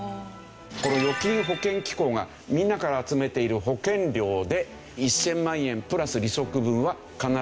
この預金保険機構がみんなから集めている保険料で１０００万円プラス利息分は必ず返しますよと。